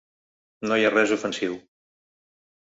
No hi ha res ofensiu.